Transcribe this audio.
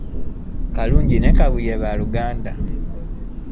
Kalungi ne kabuye baluganda